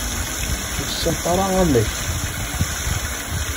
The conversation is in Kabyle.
Ur tessineḍ ara amek?